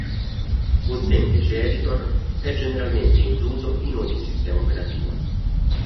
Un semplice editor è generalmente incluso in ogni sistema operativo.